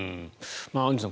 アンジュさん